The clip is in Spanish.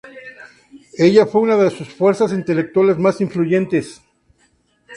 Ella fue una de sus fuerzas intelectuales más influyentes".